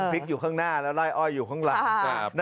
อยู่ข้างหน้าแล้วไล่อ้อยอยู่ข้างหลัง